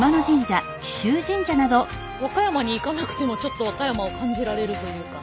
和歌山に行かなくてもちょっと和歌山を感じられるというか。